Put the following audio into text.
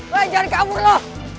jangan kabur lo